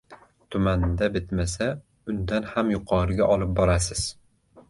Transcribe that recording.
Tumanda bitmasa, undan ham yuqoriga olib borasiz.